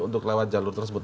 untuk lewat jalur tersebut